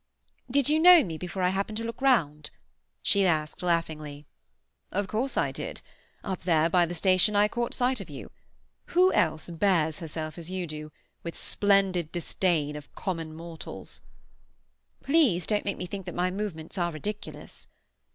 "Did you know me before I happened to look round?" she asked laughingly. "Of course I did. Up there by the station I caught sight of you. Who else bears herself as you do—with splendid disdain of common mortals?" "Please don't make me think that my movements are ridiculous."